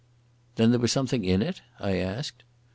"Then there was something in it?" I asked.